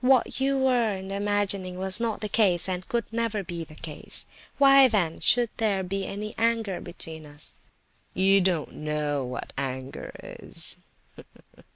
What you were then imagining was not the case, and could never be the case. Why, then, should there be anger between us?" "You don't know what anger is!"